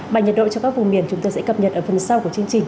bài nhật độ cho các vùng miền chúng ta sẽ cập nhật ở phần sau của chương trình